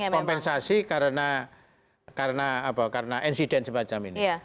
ada kompensasi karena karena apa karena insiden semacam ini